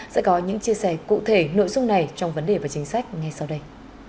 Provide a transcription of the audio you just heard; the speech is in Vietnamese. sẽ có những chia sẻ cụ thể nội dung này trong vấn đề và chính sách ngay sau đây